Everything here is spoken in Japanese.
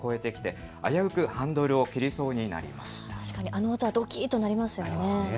あの音はどきっとなりますよね。